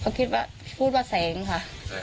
เขาคิดว่าพูดว่าแสงค่ะ